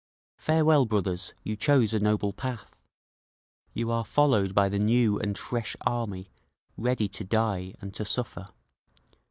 Farewell, brothers, you chose a noble path, You are followed by the new and fresh army ready to die and to suffer….